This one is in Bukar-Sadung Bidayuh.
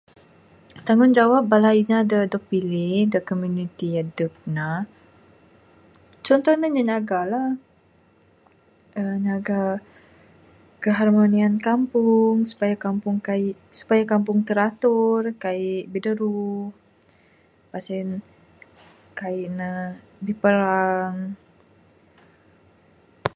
Tanggung jawab bala inya da dog pilih da' komuniti adup ne. Conto ne nya nyaga la. uhh Nyaga keharmonian kampung supaya kampung kaik, supaya kampung teratur, kaik bidaruh. Pas sen, kaik ne biparang.